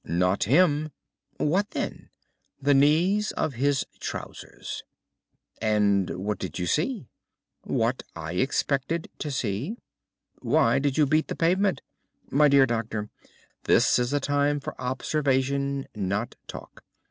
"Not him." "What then?" "The knees of his trousers." "And what did you see?" "What I expected to see." "Why did you beat the pavement?" "My dear doctor, this is a time for observation, not for talk.